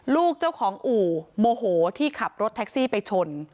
ลูกเจ้าของอู่โมโหที่ขับรถแท็กซี่ไปชน